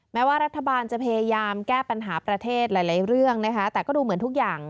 แม้ว่ารัฐบาลจะพยายามแก้ปัญหาประเทศหลายเรื่องนะคะแต่ก็ดูเหมือนทุกอย่าง